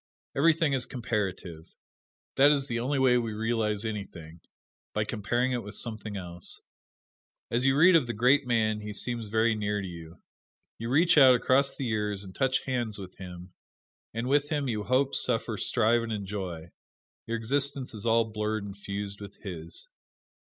Everything is comparative; that is the only way we realize anything by comparing it with something else. As you read of the great man he seems very near to you. You reach out across the years and touch hands with him, and with him you hope, suffer, strive and enjoy: your existence is all blurred and fused with his.